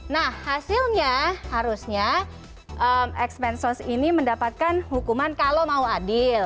nah hasilnya harusnya x men sauce ini mendapatkan hukuman kalau mau adil